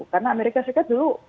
karena amerika serikat dulu